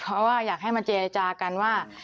เพราะว่าอยากให้มาเจรจากันว่า